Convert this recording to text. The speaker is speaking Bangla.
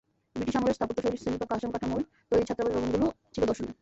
ব্রিটিশ আমলের স্থাপত্যশৈলীর সেমিপাকা আসাম কাঠামোয় তৈরি ছাত্রাবাস ভবনগুলো ছিল দর্শনীয়।